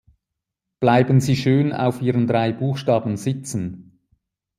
Bleiben Sie schön auf Ihren drei Buchstaben sitzen!